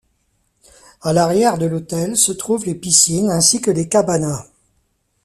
À l'arrière de l'hôtel se trouvent les piscines ainsi que les cabanas.